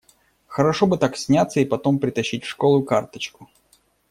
Хорошо бы так сняться и потом притащить в школу карточку!